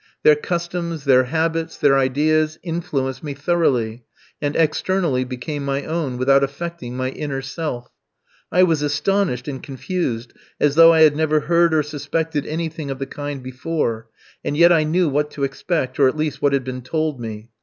Their customs, their habits, their ideas influenced me thoroughly, and externally became my own, without affecting my inner self. I was astonished and confused as though I had never heard or suspected anything of the kind before, and yet I knew what to expect, or at least what had been told me.